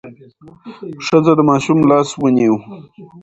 ښځه د ماشوم لاس ونیو.